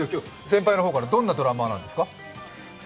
先輩の方から、どんなドラマなんですか？